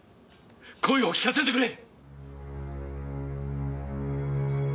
声を聞かせてくれ！